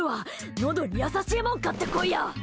のどに優しいもの買ってこいや！